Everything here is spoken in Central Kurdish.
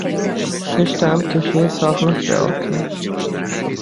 هێشتا ئەم کێشەیە ساغ نەکراوەتەوە